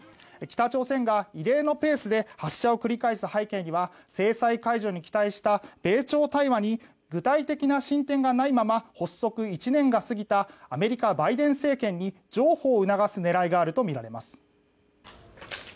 北朝鮮が異例のペースで発射を繰り返す背景には制裁解除に期待した米朝対話に具体的な進展がないまま発足１年が過ぎたアメリカ・バイデン政権を強くけん制する狙いがあるとみられます。